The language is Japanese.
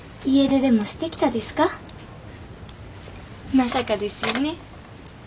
まさかですよね。